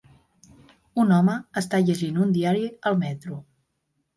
Un home està llegint un diari al metro